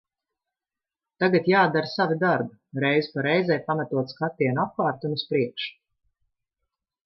Tagad jādara savi darbi, reizi pa reizei pametot skatienu apkārt un uz priekšu.